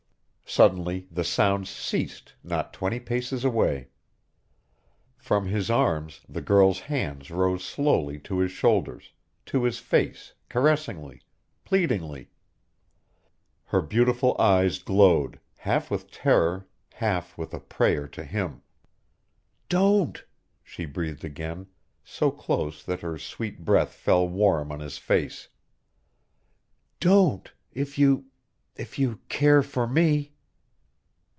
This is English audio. Suddenly the sounds ceased not twenty paces away. From his arms the girl's hands rose slowly to his shoulders, to his face, caressingly, pleadingly; her beautiful eyes glowed, half with terror, half with a prayer to him. "Don't!" she breathed again, so close that her sweet breath fell warm on his face. "Don't if you if you care for me!"